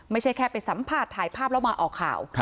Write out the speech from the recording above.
ไม่ใช่แค่ไปสัมภาษณ์ถ่ายภาพแล้วมาออกข่าว